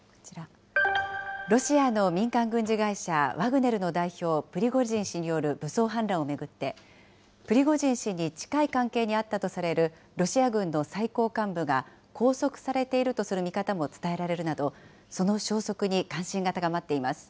ロシアの民間軍事会社ワグネルの代表、プリゴジン氏による武装反乱を巡って、プリゴジン氏に近い関係にあったとされるロシア軍の最高幹部が拘束されているとする見方も伝えられるなど、その消息に関心が高まっています。